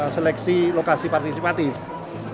seleksi lokasi partisipatif